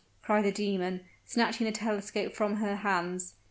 cried the demon, snatching the telescope from her hands.